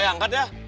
eh angkat ya